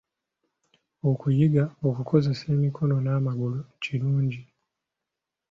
Okuyiga okukozesa emikono n’amagulu kirungi.